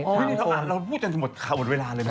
พี่นี่เขาอ่านเราพูดกันทั้งหมดขาวหมดเวลาเลยมั้ย